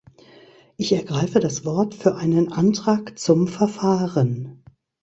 Ich ergreife das Wort für einen Antrag zum Verfahren.